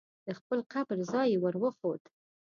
د خپل قبر ځای یې ور وښود.